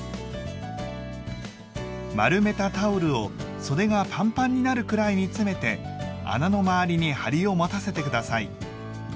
丸めたタオルを袖がパンパンになるくらいに詰めて穴の周りにハリを持たせて下さい。